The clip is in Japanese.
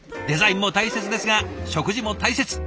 デザインも大切ですが食事も大切。